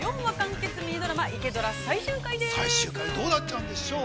４話完結ミニドラマ「イケドラ」最終回です。